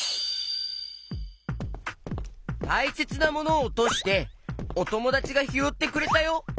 たいせつなものをおとしておともだちがひろってくれたよ。